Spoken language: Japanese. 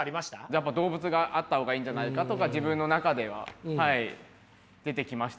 やっぱ動物があった方がいいんじゃないかとか自分の中では出てきましたね。